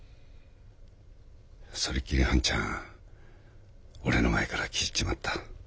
それっきり半ちゃん俺の前から消えちまった。